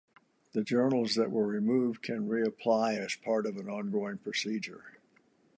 The journals that were removed can reapply as part of an ongoing procedure.